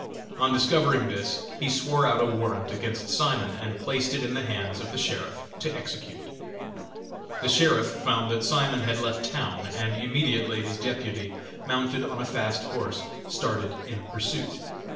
On discovering this he swore out a warrant against Simon and placed it in the hands of the sheriff to execute. The Sheriff found that Simon had left town, and immediately his deputy, mounted on a fast horse, started in pursuit.